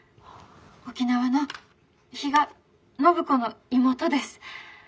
沖縄の比嘉暢子の妹です。